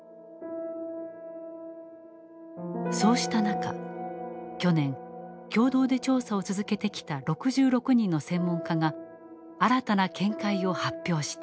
そうした中去年共同で調査を続けてきた６６人の専門家が新たな見解を発表した。